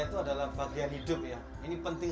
setelah berjalan ke jawa timur